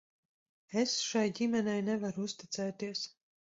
Es šai ģimenei nevaru uzticēties.